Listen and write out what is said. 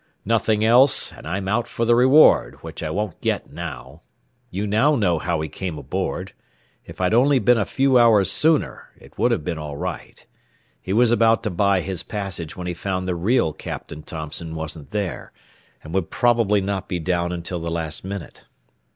"Nothing else, and I'm out for the reward, which I won't get now. You know now how he came aboard. If I'd only been a few hours sooner, it would have been all right. He was about to buy his passage when he found the real Captain Thompson wasn't there, and would probably not be down until the last minute.